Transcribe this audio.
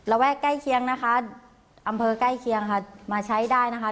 แวะใกล้เคียงนะคะอำเภอใกล้เคียงค่ะมาใช้ได้นะคะ